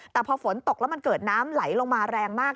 แต่พอฝนตกแล้วมันเกิดน้ำไหลลงมาแรงมาก